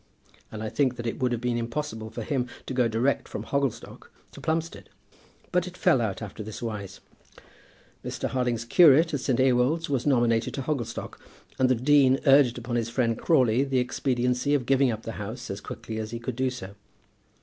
And I think that it would have been impossible for him to go direct from Hogglestock to Plumstead. But it fell out after this wise. Mr. Harding's curate at St. Ewolds was nominated to Hogglestock, and the dean urged upon his friend Crawley the expediency of giving up the house as quickly as he could do so.